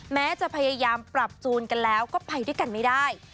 แม้จะพยายามปรับจูนกันแล้วก็ไปด้วยกันไม่ได้